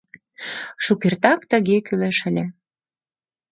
Шукертак тыге кӱлеш ыле.